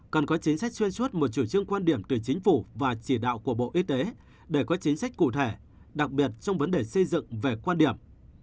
cần có chính sách xuyên suốt một chủ trương quan điểm từ chính phủ và chỉ đạo của bộ y tế để có chính sách cụ thể đặc biệt trong vấn đề xây dựng về quan điểm